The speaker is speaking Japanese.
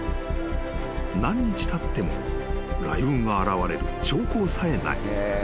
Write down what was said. ［何日たっても雷雲が現れる兆候さえない］